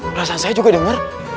perasaan saya juga dengar